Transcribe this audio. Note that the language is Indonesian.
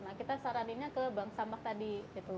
nah kita saraninnya ke bank sampah tadi gitu